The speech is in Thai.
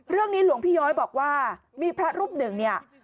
เรื่องนี้หลวงพี่ย้อยบอกว่ามีพระรูปหนึ่ง